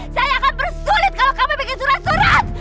saya akan bersulit kalau kami bikin surat surat